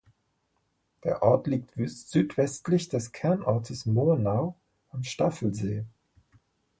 Der Ort liegt südwestlich des Kernortes Murnau am Staffelsee.